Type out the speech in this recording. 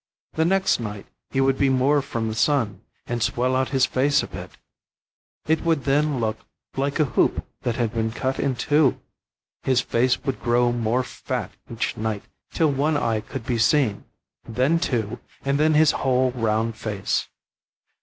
The next night he would be more from the sun, and swell out his face a bit; it would then look like a hoop that had been cut in two. His face would grow more fat each night, till one eye could be seen, then two, and then his whole round face.